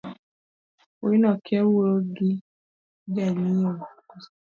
Wuoino okia wuoyo gi jang’iewo